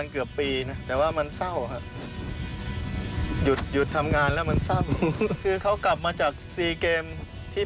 เขาดูแลได้อะไรอย่างนี้